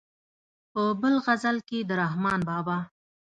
په بل غزل کې د رحمان بابا.